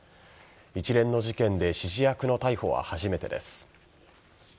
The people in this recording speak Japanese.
一連の事件で指示役の逮捕は初めてです。